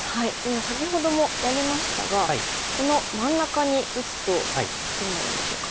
先ほどもやりましたがこの真ん中に打つとどうなるんでしょうか。